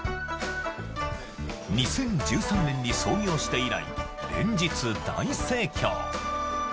２０１３年に創業して以来連日大盛況！